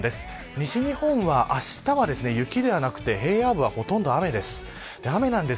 西日本は、あしたは雪ではなくて平野部は、ほとんど雨です。